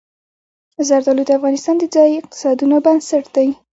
زردالو د افغانستان د ځایي اقتصادونو بنسټ دی.